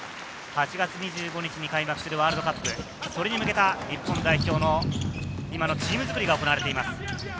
８月２５日に開幕するワールドカップ、それに向けた日本代表の今のチーム作りが行われています。